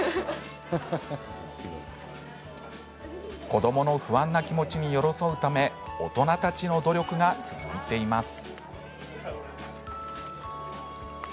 子どもの不安な気持ちに寄り添うため大人たちの努力が続いています。